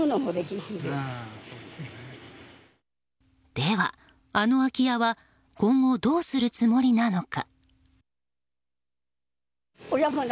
では、あの空き家は今後どうするつもりなのか。